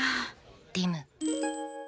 リム。